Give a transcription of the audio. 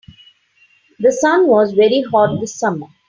The sun was very hot this summer.